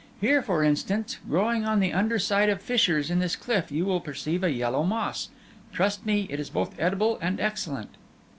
Here, for instance, growing on the under side of fissures in this cliff, you will perceive a yellow moss. Trust me, it is both edible and excellent.